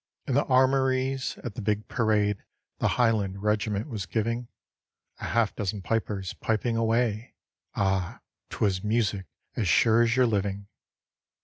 In the armories, at the big parade The highland regiment was giving, A half dozen pipers piping away Ah! 'twas music, as sure as your living.